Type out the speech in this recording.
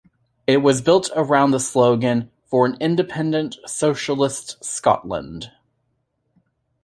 It was built around the slogan "for an independent socialist Scotland".